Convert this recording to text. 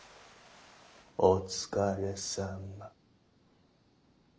お疲れさまッ。